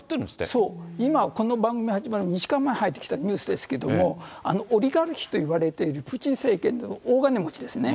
そう、今この番組が始まる２時間前入ってきたニュースですけど、オリガルヒと呼ばれているプーチン政権の大金持ちですね。